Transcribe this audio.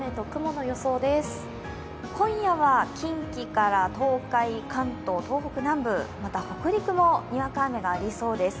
今夜は近畿から東海、関東、東北南部、また北陸もにわか雨がありそうです。